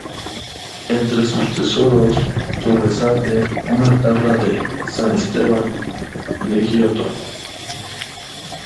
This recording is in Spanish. Entre sus tesoros, sobresale una tabla de "San Esteban", de Giotto.